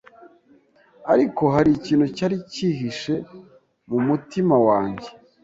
Ariko hari ikintu cyari kihishe mu mutima wanjye